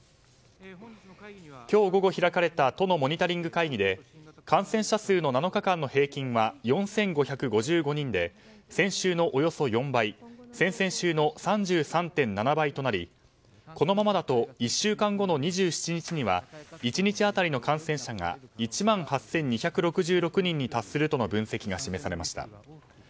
今日午後開かれた都のモニタリング会議で感染者数の７日間の平均は４５５５人で先週のおよそ４倍先々週の３３．７倍となりこのままだと１週間後の２７日には１日当たりの感染者が１万８２６６人に達するとの分析が示されました。